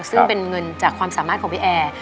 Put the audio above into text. ซึ่งเป็นเงินจากความสามารถของพี่แอร์